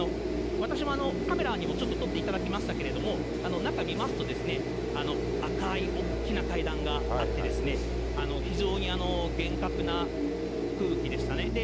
私も今、カメラにちょっと撮っていただきましたけれども、中見ますと、赤い大きな階段があって、非常に厳格な空気でしたね。